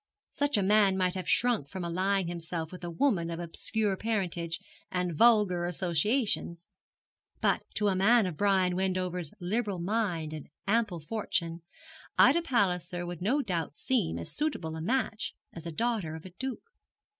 Such a man might have shrunk from allying himself with a woman of obscure parentage and vulgar associations; but to a man of Brian Wendover's liberal mind and ample fortune, Ida Palliser would no doubt seem as suitable a match as a daughter of a duke.